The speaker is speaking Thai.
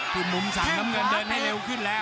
คือมุมสั่งน้ำเงินเดินให้เร็วขึ้นแล้ว